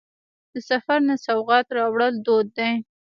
د سفر نه سوغات راوړل دود دی.